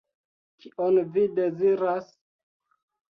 Kion vi deziras?